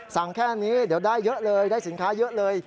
แค่นี้เดี๋ยวได้เยอะเลยได้สินค้าเยอะเลย